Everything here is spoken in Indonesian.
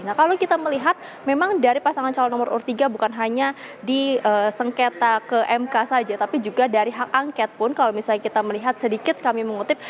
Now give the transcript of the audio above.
nah kalau kita melihat memang dari pasangan calon nomor urut tiga bukan hanya di sengketa ke mk saja tapi juga dari hak angket pun kalau misalnya kita melihat sedikit kami mengutip